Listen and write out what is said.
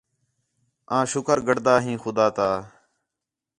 آں شُکر گݙدا ہیں خُدا تا